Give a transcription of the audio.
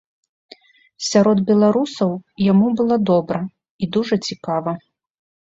Сярод беларусаў яму было добра і дужа цікава.